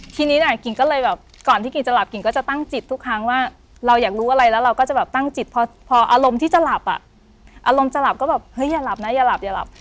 ทีนี้เนี่ยกิ่งก็เลยแบบก่อนที่กิ่งจะหลับกิ่งก็จะตั้งจิตทุกครั้งว่าเราอยากรู้อะไรแล้วเราก็จะแบบตั้งจิตพออารมณ์ที่จะหลับอ่ะอารมณ์จะหลับก็แบบเฮ้ยอย่าหลับนะอย่าหลับอย่าหลับ